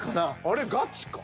あれガチか？